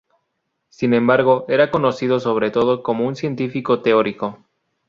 Sin embargo, era conocido sobre todo como un científico teórico.